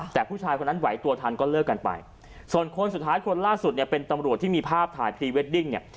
แต่ผู้ชายคนนั้นไหวตัวทันก็เลิกกันไปส่วนคนสุดท้ายคนล่าสุดเนี่ยเป็นตำรวจที่มีภาพถ่ายพรีเวดดิ้งเนี่ย